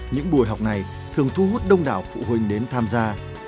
những buổi học này thường thu hút đông đảo phụ huynh đến tham gia